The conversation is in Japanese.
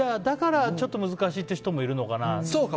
だから、ちょっと難しいという人もいるのかな。